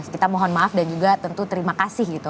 kita mohon maaf dan juga tentu terima kasih gitu